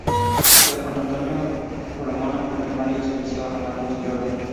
Hijo de Juan Antonio Coloma Correa y María Cecilia Álamos Jordán.